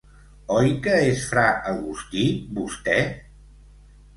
¿Oi que és fra Agustí, vostè?